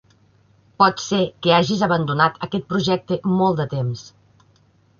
Pot ser que hagis abandonat aquest projecte molt de temps.